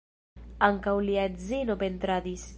Ankaŭ lia edzino pentradis.